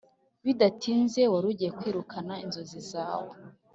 bidatinze, wari ugiye kwirukana inzozi zawe